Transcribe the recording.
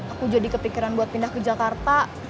aku jadi kepikiran buat pindah ke jakarta